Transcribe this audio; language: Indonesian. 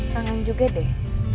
rangan juga deh